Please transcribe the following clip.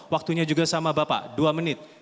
waktunya juga sama bapak dua menit